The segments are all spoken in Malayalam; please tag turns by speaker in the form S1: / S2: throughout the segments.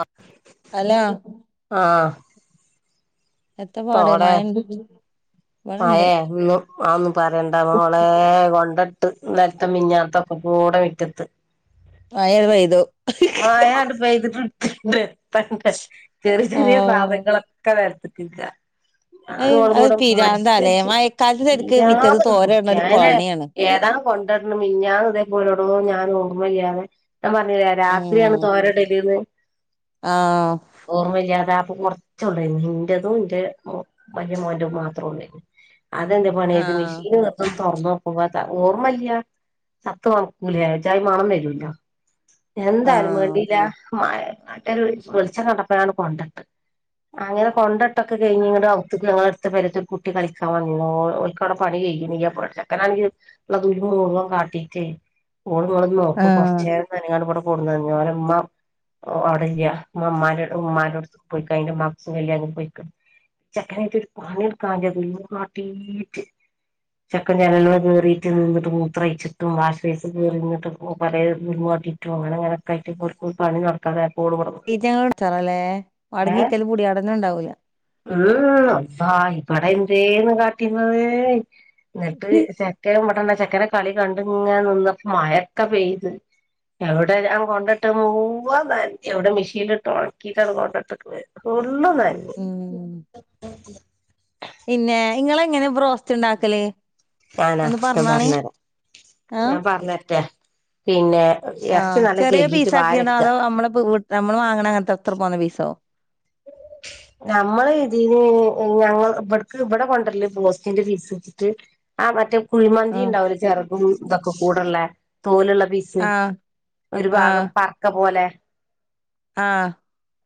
S1: അ
S2: ഹലോ
S1: ആ
S2: യെത്ത പാട് മയണ്ടഡി
S1: മായേ ഇന്ന് അഹന്നും പറയണ്ട മോളെ കൊണ്ട ട്ട് ഇന്നാൽത്തും മിഞ്ഞത്തൊക്കെകൂട മിറ്റത്ത്
S2: മഴ പെയ്തു
S1: മയാണ്ട്പെയ്തിട്ട് തെത്തണ്ടെ ചെറിയ ചെറിയ
S2: ആഹ്
S1: സാധനങ്ങളൊക്കെ നേണെ അ [unintelligible]
S2: അയ് അത്
S1: കൂട
S2: പിരാന്താലേ
S1: മത്സരിച്ച്
S2: മഴക്കാലത്ത് ശരിക്ക് മിറ്റത്ത്
S1: പിയാധേഗണ്ട്
S2: തോരട്ണ
S1: പുടിക്ക,
S2: ഒരു
S1: അങ്ങനെ
S2: പണിയാണ്
S1: ഏതാ കൊണ്ടടണം. മിഞ്ഞാന്ന് ഇതെ പോലെടോ ഞാനോർമല്ലാതെ ഞാൻ പറഞ്ഞില്ലേ രാത്രിയാണ്
S2: ഉം
S1: തോരടല്ന്ന്.
S2: ആഹ്
S1: ഓർമ്മാല്ലാതെ കുറചൊള്ളായിനു. ഇന്റതും ഇന്റെ വല്യെ മോന്റെത് മാത്ര ള്ളായിനു അതെ ന്ത് പണിയ ത്
S2: ആഹ്
S1: മിഷീന് ള്ളപ്പം തോറന്നോക്കുമ്പോ ത ഓർമ്മല്ല. ചത്ത് മണക്കൂലെ ഒരു ജായി മണം വരോല്ലോ? എന്തായാലും
S2: ആഹ്
S1: വേണ്ടില്ലാ മഴ നട്ടെരോരു വെളിച്ചം കണ്ടപ്പം ഞാന് കൊണ്ടട്ട്, അങ്ങനെ കൊണ്ടിട്ട കഴിഞ്ഞ് എങ്ങണ്ട് അവ്ത്തുക്ക്ഞങ്ങൾ ത്ത പരേത്തെ കുട്ടി കളിക്കാൻ വന്നെന്നു, ഓൽക്കവടെ പണി കയ്യിണിയ്യ. അപ്പ ചെക്കനാണെങ്കിൽ ള്ള ദുല്മ് മുഴുവൻ കാട്ട് ട്ടിറ്റ് ഓള് ങ്ങള് നോക്കോ
S2: ആഹ്
S1: കൊറചേ ഓ അവിടെല്ലാ ഉമ്മ ഉമ്മ മ്മാട്ത്ത പോയിക്ക അതിന്റെ മ്മാക്ക് സുഖല്ലായിട്ട് പോയിക്കാണ്. ചെക്കനെറ്റ്‌ ഒരു പണി ട്കായ്യ ദുല്മ് കാട്ടീറ്റ്. ചെക്കൻ ജനാലമ്മേ കേറീട്ടും, നിന്നിട്ട് മൂത്രയ്ച്ചിട്ടും, വാഷ്ബേസി കേറി ര്ന്ന്ട്ടും കേ പരാതെ ഇവിടുന്ന് പോവാ [unintelligible] അങ്ങനെ, അങ്ങനെക്കായിട്ട് ഓർക്ക് ഒരു പണീ നടക്കാതായപ്പം
S2: [unintelligible] ല്ലേ അടങ്ങി ക്കല് പുടിയാടെന്നെ ണ്ടാവൂല്ല.
S1: മ് ഹ്. അള്ളാ ഇബടെ എന്തേന്ന് കാട്ടീന്നത്. എന്നിട്ട് ചക്ക. [unintelligible] ചെക്കന്റെ കളി കണ്ടിങ്ങന നിന്നപ്പൊ മയക്കെ പെയ്ത് എവിടെ ഞാൻ കൊണ്ടിട്ട മുഴുവൻ നന ഞ്ഞു. എവിടെ മിഷീനിലിട്ട് ഉണക്കിട്ടാണ് കൊണ്ടോ ട്ടക്കണേ. ഫുള്ളും നനഞ്ഞു
S2: ഉം
S1: [unintelligible]
S2: പിന്നെ ഇങ്ങള് എങ്ങനെ ബ്രോസ്റ്റ് ഉണ്ടാക്കല്?
S1: ഞാനാ? ഞാൻ പറഞ്ഞരാ, ഞാൻ പറഞ്ഞെര്റ്റെ? പിന്നെ
S2: ആ,
S1: ഇറച്ചി നല്ല
S2: ചെറിയ
S1: കഴുകീട്ട്
S2: പീസ ആക്കിണോ?
S1: വാരക്ക
S2: അതോ നമ്മള് വി നമ്മള് വാങ്ങണ അങ്ങനത്തെ അത്ര പോന്ന പീസോ? [inaudible]
S1: ഞമ്മൾ ഇതിന് ഞങ്ങൾ ഇ ബട്ക് ഇവിടെ കൊണ്ടരല് ബ്രോ സ്റ്റിന്റെ ഫീസെ ച്ചിട്ട് അ മറ്റേ കുഴിമന്തി
S2: ആഹ്
S1: ണ്ടാവില്ലേ? ചെറകും ഇതൊക്കെ കൂടെള്ള തോലില്ല ഫിസ്
S2: ആഹ്
S1: ഒരു ഭാഗം പർക്ക പോലെ?
S2: ആ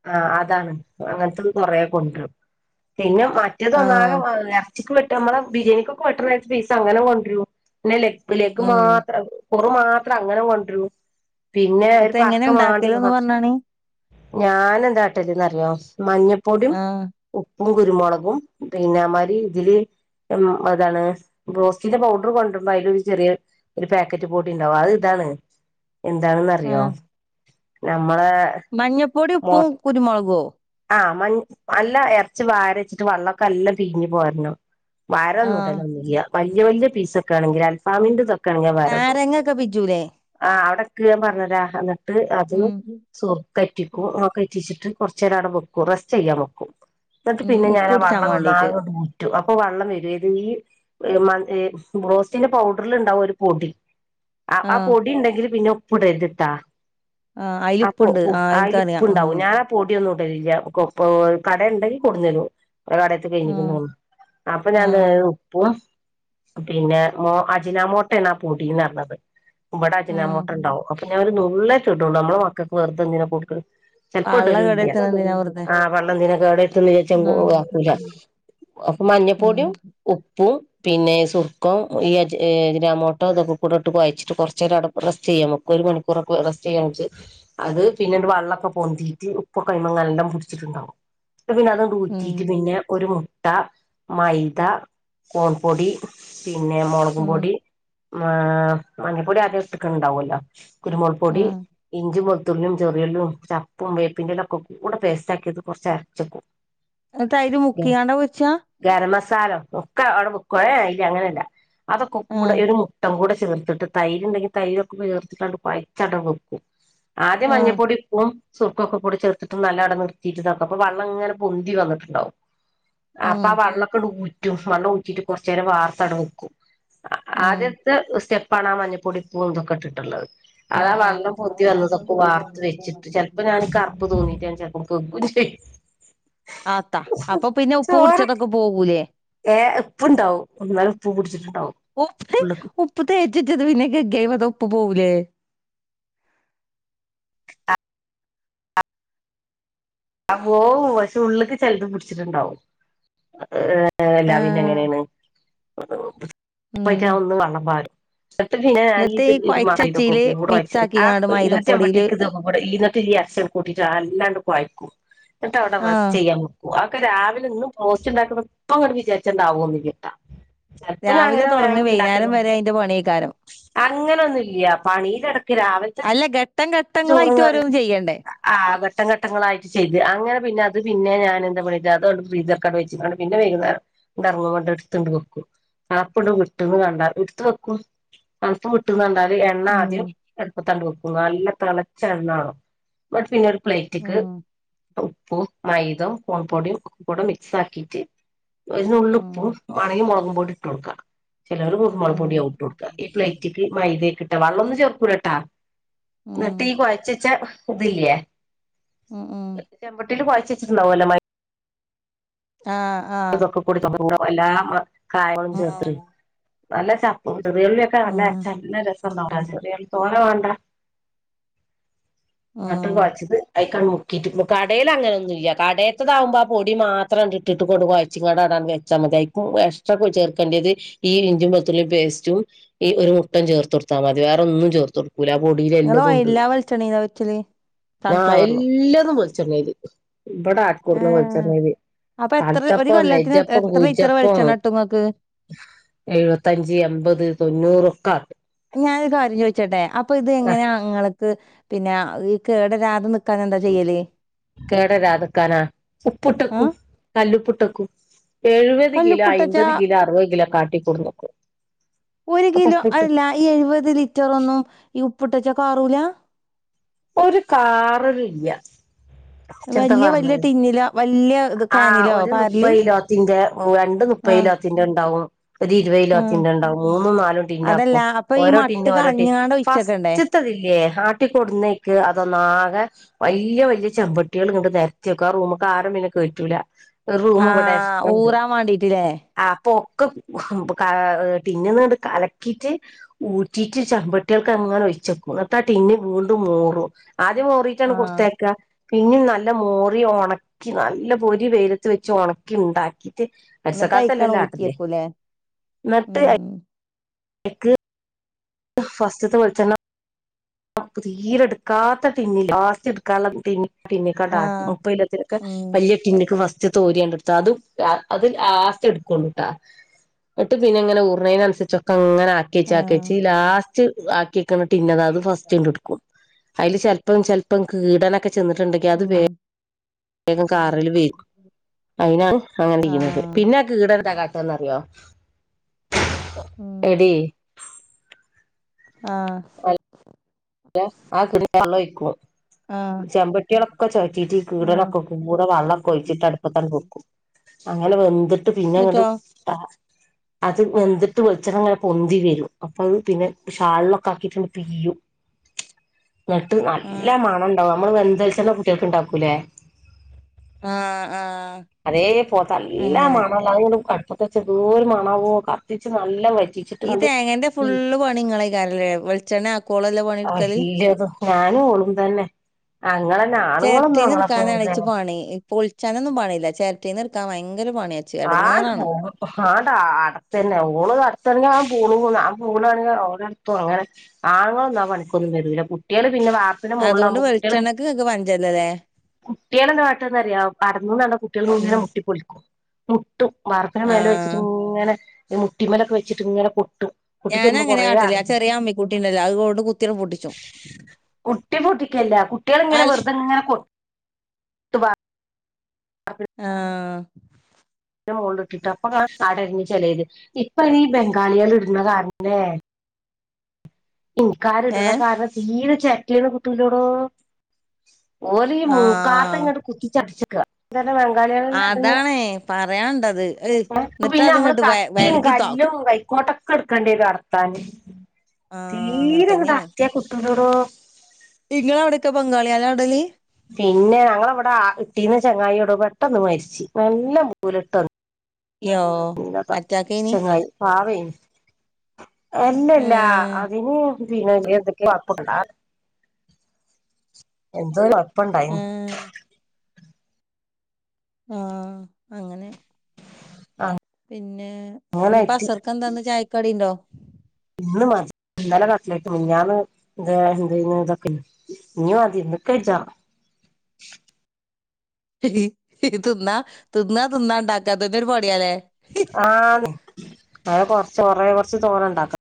S1: ആ അതാണ് അങ്ങനത്തെത് കൊറേ കൊണ്ട്റും പിന്നെ മറ്റേതൊന്നാക
S2: ആഹ്
S1: വാങ്ങല ചച്ചക്ക് വെട്ട നമ്മളെ ബിരിയാണിക്കൊക്കെ വെട്ടണ പീസ്, അങ്ങനെ കൊണ്ടറും പിന്നെ ലെഗ് ലെഗ്
S2: ഉം
S1: മാത്രം കുറ മാത്രം അങ്ങനെ കൊണ്ടറും, പിന്നെ ഒരു
S2: എന്നിട്ട് എങ്ങനെ
S1: പറക്ക വാണ്ടി
S2: ഇണ്ടാക്കല്ന്ന്
S1: മാത്രം
S2: പറഞ്ഞാണി
S1: ഞാനെ ന്താട്ടല്ന്നറിയോ മഞ്ഞപ്പൊടിയും,
S2: ആഹ്
S1: ഉപ്പ് പ്പും, കുരുമൊളകും, പിന്നെമാരി തില് ഉ അതാണ് ബോസ്റ്റിന്റെ പൗഡർ കൊണ്ട്മ്പോ അയിലൊരു ചെറിയ ഒരു പാക്കറ്റ് പൊടിണ്ടാവും അത് താണ് എന്താണെന്നറിയോ?
S2: ആഹ്
S1: ഞ
S2: മഞ്ഞപ്പൊടി, ഉപ്പും, കുരുമുളകോ?
S1: ആഹ് മ അല്ല ഇറച്ചി വാര ച്ചിട്ട് വള്ളൊ ക്കെ ല്ലാം പീഞ് പോരണം വാരം
S2: ആഹ്
S1: നൂടലൊന്നൂല്ല വലിയ വലിയ പീസൊക്കെ ആണെങ്കിൽ അൽഫാമിന്റെറെതൊക്കെ കങ്ക വേരെടോള്ളൂ
S2: നാരങ്ങൊക്കെ പിജൂലേ
S1: ആ് അവിടെ ന് പറഞ്ഞരാ എന്നിട്ട് അത്
S2: ഉം
S1: സുർ കറ്റിക്കും ആ കറ്റിച്ചിട്ട് കുറച്ചു നേരം അവിടെ വെ റസ്റ്റ് യ്യാൻ വെക്കും, ന്നിട്ട്
S2: ഉം
S1: പിന്നെ ഞാൻ ആ
S2: ഉപ്പുടിച്ചാൻ
S1: വെള്ളം
S2: വേണ്ടീട്ട്
S1: ഒന്നാകെ ഊറ്റും. ഇപ്പൊ വെള്ളം വരും ഇത് ഈ മ ബ്രോ റോസ്റ്റിന്റെ പൗഡറിൽ ഉണ്ടാവും ഒരു പൊടി അ ആ
S2: ആഹ്
S1: പൊടി ഉണ്ടെങ്കില് പിന്നെ ഉപ്പ് ടര് തിട്ടാ.
S2: ആഹ് അയില്
S1: അപ്പൊ
S2: ഉപ്പുണ്ട്
S1: പൊ
S2: ആഹ്
S1: അയിൽ
S2: എനിക്കറിയാം
S1: ഉപ്ണ്ടാവും
S2: ഉം
S1: ഞനാ പൊടി [unintelligible] കട ഉണ്ടെങ്കിൽ കൊട് ന്നെരും. ഒ കടേത്തെ കഴിഞ്ഞിക്ക്ണ്
S2: ആഹ്
S1: തോണ്ണ് അപ്പൊ ഞാൻ ന്താ
S2: ആഹ്
S1: ഉപ്പും പിന്നെ മോ അജിനാമോട്ടാണ് ആ പൊ ടീന്ന് പറഞ്ഞത്. ബടെ
S2: ആഹ്
S1: അജിനാമോട്ട ഉണ്ടാവും അപ്പൊ പിന്നെ ര് നുള്ളേ റ്റെ ഇടൊള്ളൂ നമ്മളെ മക്കക്ക് വെറുതെന്തിന കൊടുക്ണെ ചെലപ്പൊ
S2: പള്ള
S1: ടലും ഇല്ല.
S2: കേടരുത്തണ എന്തിനാ വെറുതെ
S1: ആഹ പള്ളെന്തിനാ കേടെര്ത്ത്ണെ? വിജാരിച്
S2: ആഹ്
S1: ഒഴിവാക്കൂല അപ്പൊ
S2: ഉം
S1: മഞ്ഞപ്പൊടിയും ഉപ്പും. പിന്നെ സുർക്കം ഈ അജ്ജ് അജ്നാമോട്ടോ ഇതൊക്കെ കൂടെ ഇട്ട് കോയച്ചിട്ട് കുറച്ച് നേരം അവിടെ റെസ്റ്റ് ചെയ്യാൻ വെക്കും. ഒരു മണിക്കൂറൊക്കെ റസ്റ്റ് ചെയ്യായാവേ ച്ച് അത് പിന്നെ വെള്ളൊക്കെ പൊന്തീട്ട് ഉപ്പൊകേ നല്ലോണം പിടിച്ചിട്ടുണ്ടാകും പിന്നെ അതൊങ്ങോട്ട്
S2: ഉം
S1: ഉറ്റിയിട്ട് പിന്നെ ഒരു മുട്ട മുട്ട, മൈദ, കോൺപൊടി, പിന്നെ
S2: ഉം
S1: മുളകുംപൊടി. മ മഞ്ഞപ്പൊടി ആദ്യം ഇട്ടക്കണ് ണ്ടാവല്ലോ കുരുമുൾ പൊടി
S2: ആഹ്
S1: ഇഞ്ച ത്തുള്ളിയും ചെറിയുളും ചപ്പും വേപ്പിന്റെലും ഒക്കെ കൂടെ പേസ്റ്റ് ആക്കിയത് കുറച്ച് അരച്ചേക്കും.
S2: ന്നിട്ട് അതിൽ മുക്കികണ്ടാ പൊരിച്ച.
S1: [unintelligible] ഒക്കെ അവിടെ വെക്ക [unintelligible] അല്ല അങ്ങനെയല്ല അതൊക്കെ കൂടെ
S2: ആഹ്
S1: ഒരു മുട്ട കൂ ചേർത്തിട്ട് തൈര് ഉണ്ടെങ്കിൽ തൈരൊക്കെ ചേർത്തിട്ടാണ്ട് കുഴച്ചവടെ വെക്കും. ആദ്യം
S2: ആഹ്
S1: മഞ്ഞൾപ്പൊടി ഉപ്പും സുർക്കൊക്കെ കൂടി ചെർത്ത് ത്തിട്ടും നല്ല അവിടെ നിർത്തിയിട്ട് നോക്ക അപ്പ വള്ളം ഇങ്ങനെ പൊന്തി വന്നിട്ടുണ്ടാവും. അപ്പൊ
S2: ഉം
S1: ആ വെള്ളമൊക്കെ ഇങ്ങട്ട് ഊറ്റും വെള്ളം ഊറ്റിട്ട് കുറച്ച് നേരം വാർത്തവാട വെക്കും.
S2: ഉം
S1: ആദ്യത്തെ സ്റ്റെപ്പാണ് ആ മഞ്ഞൾപ്പൊടിപ്പൂ ഇതൊക്കെ ഇട്ടിട്ടുള്ളത്.
S2: ഉം
S1: അതാ
S2: ഉം
S1: വെള്ളം പൊന്തി വന്നതൊക്കെ വാർത്ത് വെച്ചിട്ട് ചിലപ്പോ ഞാന്ക ഇപ്പ [unintelligible] കെക്കും ചെയ്യും.
S2: ആത്താ അപ്പൊ പിന്നെ ഉപ്പ് കുടിച്ചതൊക്കെ പോകൂലേ?
S1: ഏ് ഇപ്പ് ഉണ്ടാവും ഇന്നാലും ഉപ്പ് പുടിച്ചിട്ടുണ്ടാകും
S2: ഉപ്പ് ഉപ്പ് തേച്ച് വെച്ചത് പിന്നെ കയ്ക്യ അയ്മത്തെ ഉപ്പ് പോകൂലെ?
S1: ആ പോവും പക്ഷേ ഉൾക്ക് ചിലത് പിടിച്ചിട്ടുണ്ടാവും അത് യെല്ലപിന്നെ
S2: ആഹ്
S1: എങ്ങനേണ്
S2: ഉം.
S1: [unintelligible] ഒന്ന് വള്ളം പാരും. ഇന്നട്ട് പിന്നെ ഞാനീ
S2: എന്നിട്ട്
S1: ഇത്
S2: ഈ
S1: ഇത് മാ ഇതൊക്ക
S2: കൊഴച്ചച്ചീല്
S1: കൂടെ കോയച്ചിട്ട്
S2: മിക്സാക്കിങ്ങാണ്ട്
S1: അ ചെമ്പട്ടി
S2: മൈദപ്പൊടീല്
S1: ക് ഇതൊകേകൂടെ [unintelligible] സ്റ്റ് ഒക്കെ കൂട്ടിയിട്ട് നാളെണം അങ്ങട്ട് കോയാകും ന്നിട്ട് അവിടെ റെസ്റ്റ്
S2: ആഹ്
S1: ചെയ്യാൻ വെക്കും. ഒക്കെ രാവിലെ ഇന്നും പോസ്റ്റ് ഉണ്ടാക്കി പ്പഅങ്ങട്ട് വിചാരിച്ചണ്ടാവുഒന്നും ഇല്ലാട്ടാ. ചെൽപ്പോ ഞാൻ
S2: രാവിലെ
S1: അങ്ങനെ
S2: തൊടങ്ങി
S1: വേഗം
S2: വൈന്നേരം
S1: ഉണ്ടാക്കലുണ്ട്
S2: വരെ അയിന്റെ പണിയേക്കാരം.
S1: അങ്ങനൊന്നുംഇല്യ പണിൽ ഇടക്ക് രാവിലത്തെ
S2: അല്ല ഘട്ടം
S1: ചോറും
S2: ഘട്ടങ്ങളായിട്ട്
S1: കറി
S2: ഓരോന്ന് ചെയ്യണ്ടേ?
S1: ആക ങ്ക ഘട്ട ഘട്ടങ്ങളായി. ചെയ്ത് അങ്ങനെ പിന്നെ അത് പിന്നെ ഞാ എന്താ പഞിട്ട അതണ്ട് ഫ്രീജർക്കടെ വെച്ച്ക്കണ്ട് പിന്നെ വൈകുനേരം ഇങ്ങട്ട് ഇറങ്ങ എടുത്തെങ്ങാട്ട് വെക്കും [unintelligible] [unintelligible] എണ്ണ ആദ്യം
S2: ഉം.
S1: അട്പാത്തെങ്ങാട്ട് വെക്കും നല്ല തിളച്ച എണ്ണ ആകണം ന്നട്ട് പിന്നെ പ്ലേറ്റ്ക്ക്
S2: ഉം
S1: ഉപ്പും മൈദം കോൺപൊടിയും ഒക്കെ കൂടെ മിക്സ് ആക്കിയിട്ട് ഒരു ന്നുള്പ്പും
S2: ഉം
S1: വണെങ്കിൽ മുളകും പോടിയും ഇട്ട് കൊടുകാം. ചിലർ കുരുമുള പൊടി
S2: ഉം
S1: ആവും ഇട്ട് കൊടുക്കുക. ഈ പ്ലേറ്റിക്ക് മൈദ ആയിക്കിട്ട് വള്ളന്നും ചേർക്കൂലട്ടാ. ഇന്നിട്ട് ഇ
S2: ഉം
S1: കുഴച്ചച്ചാ ഇതില്യേ
S2: ഉം ഉം.
S1: ചെമ്പടീൽ കോയച് വെച്ചിട്ടുണ്ടാകുലോ മ
S2: ആഹ ആഹ.
S1: കൂടി എല്ലാ കായങ്ങളും ചേർത്ത് നല്ല ചപ്പ് ചെറിയുള്ളിയൊക്കെ നല്ല
S2: ഉം
S1: അരച്ച നല്ല രസണ്ടാകും ചെറിയുള്ളി തോണെ വേണ്ട. ന്നട്ട്
S2: ഉം.
S1: കോയച്ചത് അഐ മുക്കിട്ട് കടയിൽ അങ്ങനൊന്നുല്യ കടത്താത്താകുമ്പോ ആ പൊടി മാത്രം ക് ഇട്ടിട്ടും ങ്ങട്ട് കൊഴച്ച്കാണ്ട അങ്ങട്ട് വെച്ചാൽ മതി. അതീക്കും എക്സ്ട്രാ ചേർക്കേണ്ടിയത് ഈ ഇഞ്ചി വെളുത്തുള്ളി പേസ്റ്റും ഈ ഒരു മുട്ട ചേർത്തടുത്താൽ മതി വേറെ ഒന്നും ചേർത്ത കൊടു പുര പൊടിയിൽ
S2: ഇങ്ങള്
S1: എല്ലാതും ഉണ്ട്ണ്ട്
S2: എല്ലാ വെളിച്ചെണ്ണീലാ വെച്ചല്? സൺഫ്ലവറിലോ?
S1: എല്ലതും വെളിച്ചെണ്ണയിൽ ഇവിടെ ആട്ടി കൊണ്ടന്ന
S2: ഏഹ്
S1: വിളിച്ചെണ്ണയിൽ.
S2: അപ്പൊ എത്ര ഒരു
S1: കൽത്തപ്പം
S2: കൊല്ലത്തിന്
S1: നെജ്ജപ്പം
S2: എത്ര ലിറ്റർ
S1: കുജ്ജപ്പോം
S2: വെളിച്ചെണ്ണ കിട്ടും ഇങ്ങക്ക്?
S1: എഴുപതെഞ്ച് എമ്പത് തൊണ്ണൂറൊക്കെ ആകും.
S2: ഞാൻ ഒരു കാര്യം ചോദിച്ചട്ടെ? അപ്പൊ ഇത്
S1: ആ
S2: എങ്ങനെയാ ഇങ്ങൾക്ക് പിന്നെ ഈ കേടരാതെ നിക്
S1: കേടരാധക്കാനാ ഉപ്പിട്ടക്കും
S2: ആഹ്
S1: കല്ലുപ്പിട്ട് ക്കും കും എഴുപത് കിലോ
S2: കല്ലുപ്പ്ട്ടച്ചാ
S1: അമ്പത് കിലോ അറുപത് കിലോ ഒക്കെ ആട്ടികൊടന്നേക്കും.
S2: ഒരു കിലോ അല്ല എഴുപത് ലിറ്ററൊന്നും ഈ ഉപ്പിട്ടെച്ചാ കാറൂലാ
S1: ഒരു കാറലില്ല
S2: വലിയ വലിയ ടിന്നിലാ
S1: ആഹ് ഒരു മുപ്പത് കിലോത്തിന്റെ രണ്ട് മുപ്പത്
S2: ആഹ്
S1: കിലോത്തിന്റെ ഉണ്ടാവും ഒരു
S2: ആഹ്
S1: ഇരുപയിലോത്തിന്റെ ഉണ്ടാവും മൂന്നും നാലും ടിൻ
S2: അതല്ല
S1: ആക്കും
S2: അപ്പൊ ഈ
S1: ഓരോ ടിൻ
S2: മട്ട്
S1: ഓരോ ടീ
S2: കളഞ്ഞാണ്ട് ഒഴിച്ചക്കണ്ടേ?
S1: ഫസ്റ്റ്ത്തെ തില്ലേ ആട്ടിക്കൊടുന്നേക്ക് അതൊന്നാകെ വല്യ വലിയ ചെമ്പട്ടികൾ ഇങ്ങോട്ട് നെരത്തി വെക്കും ആ റൂമ്ക്ക്‌ ആരും പിന്നെ കേറ്റൂല ഒരു റൂം ഇവിടെ
S2: ആഹ്
S1: എക്സ്ട്രാ ഉണ്ട്
S2: ഊറാൻ വാണ്ടീട്ട്ല്ലേ?
S1: ആ പ്പോ ക്കും ഇപ്പം ക ടിൻന്ന് കലക്കിയിട്ട് ഊറ്റിട്ട് ചമ്പട്ടികൾക്ക്‌ അങ്ങനെ ഒ ഒഴിച്ചു വെയ്ക്കും എന്നിട്ട് ആ ടിന്ന് വീണ്ടും മോറും ആദ്യം മോറിയിട്ടാണ്
S2: ആഹ്
S1: കൊടുത്തയക്ക പിന്നും നല്ല മോറി ഉണക്കി ന ഇല്ല പൊരി വെയിലത്ത് വെച്ച് ഉണക്കി ഉണ്ടാക്കി ട്ട് വരിസ
S2: ഇന്നട്ട്
S1: കാലാത്തല്ലേ
S2: അയ്ക്കാണ്
S1: ആട്ടല്
S2: ഊറ്റിയേക്കൂലേ?
S1: എന്നട്ട് അ
S2: ഉം
S1: എക്ക് ഫസ്റ്റ്ത്തെ വെളിച്ചെണ്ണ തീരെ എടുക്കാത്ത ടിന്നില് ലാസ്റ്റ് എടുക്കാൻ ഉള്ള ടിന്ന് ടിന്നിക്ക്‌
S2: ആഹ്
S1: മുപ്പത് ഇല്ലത്തിലൊക
S2: ഉം
S1: വലിയ ടിന്നിക്ക് ഫസ് വെച്ച് തോരിയണ്ടെടുത്താ അത് അതിൽ ലാസ്റ്റ് എടുക്കുള്ളോട്ടാ എന്നട്ട് പിന്നെ ഇങ്ങനെ ഊറുന്നതിനനുസരിച്ചൊക്കെ അങ്ങനെ ആക്കിവെച്ച് ആക്കിവെച്ച്
S2: ആഹ്
S1: ലാസ്റ്റ് ആക്കിയേക്കണ ടിന്നത് അത് ഫസ്റ്റ്ണ്ട് എടുക്കും അതില് ചിലപ്പം ചെലപ്പം കീടനൊക്കെ ചെന്നിട്ടുണ്ടെങ്കിൽ അത് വേ
S2: ഉം
S1: ഗം കാറല് വരും അയിനാണ് അങ്ങനെ ചെയ്യുന്നത്
S2: ആഹ്
S1: പിന്നെ കീടെ എന്താ ന്നറിയോ
S2: ഉം
S1: എടീ
S2: ആഹ്
S1: ആ കീടാത്തക്ക് വെള്ളം ഒഴിക്കും
S2: ആഹ്
S1: ചെമ്പട്ടികളൊക്കെ ചോയറ്റീട്ട് ഈ
S2: ആഹ്
S1: കീടനൊക്കെ കൂടെ വെള്ളമൊക്കെ ഒഴിച്ചിട്ട് അടുപ്പത്ത് അങ്ങ് വെക്കും അങ്ങനെ വെന്തിട്ട് പിന്നെ അങ്ങോട്ട്
S2: എന്നിട്ടോ [inaudible]
S1: അത് വെന്തിട്ട് വെളിച്ചെണ്ണ ഇങ്ങനെ പൊന്തി വരും അപ്പം അത് പിന്നെ ഷാളിലൊക്കെ ആക്കിട്ടണ്ട് പീയും എന്നിട്ട് നല്ല
S2: ആഹ്
S1: മണം ഉണ്ടാവും നമ്മള് വെന്ത വെളിച്ചെണ്ണ കുട്ടികൾക്ക് ഇണ്ടാക്കൂലേ
S2: ആഹ് ആഹ്
S1: അതേ പോത്തല്ലാ
S2: അങ്ങനെ
S1: മണല്ല [unintelligible] ദൂരു മണവോ കത്തിച്ച് നല്ല വെ
S2: ഈ തേങ്ങേന്റെ ഫുള്ള് പണിങ്ങള് [unintelligible] വെളിച്ചണ്ണ ആക്കുവോ
S1: അയ് ഇല്ലത് ഞാനും ഓളും തന്നെ അങ്ങെളെന്നെ ആണുങ്ങളൊന്നും
S2: ചെരട്ടീന്ന്
S1: അങ്ങളെ പോലെ
S2: എടുക്കാനാണ് ഇച്ച് പണി പൊളിച്ചാനൊന്നും പണിയില്ല ചെരട്ടേന്ന് എടുക്കാൻ ഫയ
S1: ആഹ് ആഹ് അടത്തന്നെ ഓള് അടത്തന്നെയാവു പൂണ് പോന്നെ ആ പൂണാണെങ്കിൽ ഓരെടത്തും അങ്ങനെ ആണുങ്ങളൊന്നും ഒന്നാ പണിക്കൊന്നും വരില്ല കുട്ടികള് പിന്നെ വാർപ്പിന്റെ
S2: അതുകൊണ്ട്
S1: മോളിലാവുമ്പോ കുട്ടികള്
S2: വെളിച്ചെണ്ണക്ക് ഇങ്ങക്ക് പഞ്ചല്ലല്ലേ
S1: കുട്ടികളെന്താട്ടന്നറിയോ അതൊന്നും വേണ്ട കുട്ടികൾ ഇങ്ങനെ
S2: ഉം
S1: മുട്ടി പൊലിക്കും മുട്ടും വാർപ്പിന് മേലെ വെച്ചിട്ട്
S2: ആഹ്
S1: ഇങ്ങനെ മുട്ടിമലൊക്കെ വെച്ചിട്ട് ഇങ്ങനെ പൊട്ടും
S2: ഞാൻ അങ്ങനെയാ ആട്ടല് ആഹ് ചെറിയ അമ്മിക്കുട്ടി ഉണ്ടല്ലോ അത്കൊണ്ട് കുത്തിന പൊട്ടിച്ചു
S1: കുട്ടി പൊട്ടിക്കല്ല കുട്ടികള് ഇങ്ങനെ വെറുതെ ഇങ്ങനെ കൊ
S2: ആഹ്
S1: അതിന്റെ മോളിൽ ഇട്ടിട്ട് അപ്പൊ അങ്ങ് അടഞ്ഞു ചെലര് ഇപ്പൊ ഇനി ബംഗാളികള് ഇടുന്ന കാരണം കൊണ്ടേ ഇനിക്കാര് ഇടുന്ന
S2: ഏഹ്
S1: കാരണം തീരെ ചെറ്റലിന്ന് കുട്ടൂലടോ ഓര് ഈ മൂക്കാത്ത
S2: ആഹ്
S1: ഇങ്ങോട്ട് കുത്തിച്ചടിച്ചക്കെ ബംഗാളികളെല്ലട്ടന്ന്
S2: പറയാൻ ഉണ്ടത്
S1: പിന്നെ നമ്മള് കത്തിയും
S2: താ
S1: കല്ലും കൈക്കോട്ടൊക്കെ എടുക്കേണ്ടി വരും അറുത്താന്
S2: ആഹ് അങ്ങനെ
S1: തീരെ അങ്ങട്ട്
S2: തന്നെയാണ്
S1: അറത്താ കിട്ടൂല്ലടോ
S2: ഇങ്ങളെ അവിടെക്കെ [unintelligible]
S1: പിന്നെ ഞങ്ങളവിടെ ഇട്ടീന്ന ചെങ്ങായി ടോ പെട്ടന്ന് മരിച്ചു നല്ല മൂലട്ടൊന്ന് [unintelligible]
S2: യോ
S1: [unintelligible] ഇ [unintelligible] ത
S2: അറ്റാക്കേനി
S1: ചങ്ങായി പാവേ നി [inaudible] എല്ലല്ലാ
S2: ഏഹ്
S1: അതിന് [unintelligible] ഇന്ന [unintelligible] ഇ എന്തൊക്ക ആപ്പൊക്കെണ്ട് ആ [inaudible] [unintelligible]
S2: ഉം ആഹ അങ്ങനെ പിന്നെ ഇനിപ്പം
S1: അങ്ങനായിട്ട്
S2: അസർക്ക എന്താന്ന് ചായക്കാടി ഇണ്ടോ
S1: ഇന്ന് മാ [unintelligible] ഇന്നലെ കട്ടിലറ്റ് മിന്നാന്ന് എന്തേനി ഇതൊക്കെ ഇഞ്ഞ് മതി ഇത് കരി [unintelligible] [unintelligible] കുത്ത
S2: [inaudible] തിന്ന തിന്ന തിന്നാണ്ടാക്ക ഇതന്ന ഒരു പണിയാലേ
S1: ആഹ് അതൊക്കെ കൊറച്ച് കൊറേ കുറച്ച് തോന്നണ്ടാ [inaudible] ക്കണ്ടേ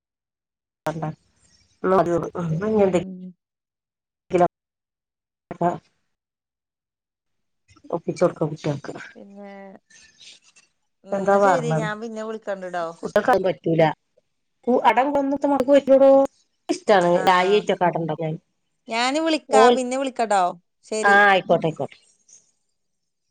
S1: [unintelligible] ആന്ത
S2: ഉം
S1: [unintelligible] [inaudible] [unintelligible] ഒപ്പിച്ചൊട്ക്കാ കുട്ട്യ [unintelligible]
S2: പിന്നെ
S1: എന്താ
S2: ഇന്ന ശരി
S1: പറഞ്ഞത്
S2: ഞാൻ പിന്നെ വിളിക്കണ്ടട്ടോ
S1: കുട്ട്യാക്കതൊന്നും [unintelligible] അടം കടന്നത്തെ മക്കും [unintelligible] ഏനിക്കി ഇഷ്ടമാണ്
S2: ആഹ്
S1: ഡായിയേറ്റൊക്കെ അടണ്ടക്കൻ
S2: ഞാന് വിളിക്കാ പിന്നെ വിളിക്കട്ടോ ശരി
S1: ആഹ് ആയിക്കോട്ടെ ആയിക്കോട്ടെ